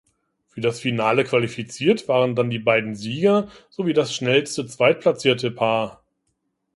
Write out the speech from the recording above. Für das Finale qualifiziert waren dann die beiden Sieger sowie das schnellste zweitplatzierte Paar.